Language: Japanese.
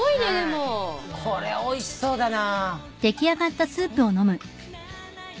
これおいしそうだな。